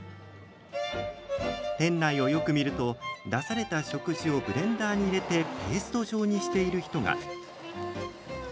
店内をよく見ると出された食事をブレンダーに入れてペースト状にしている人が。